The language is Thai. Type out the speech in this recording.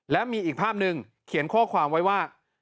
และมีอีกภาพหนึ่งเขียนข้อความไว้ว่า